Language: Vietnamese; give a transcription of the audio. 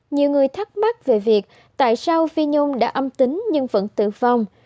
nhiều người thắc mắc về việc tại sao phi nhôm đã âm tính nhưng vẫn tử vong